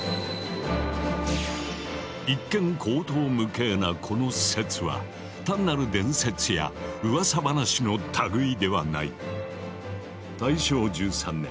一見荒唐無稽なこの説は単なる伝説やうわさ話の類いではない。